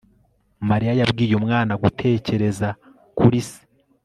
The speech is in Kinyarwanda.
Mariya yabwiye umwana gutekereza kuri se